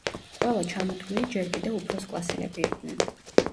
ყველა ჩამოთვლილი ჯერ კიდევ უფროსკლასელები იყვნენ.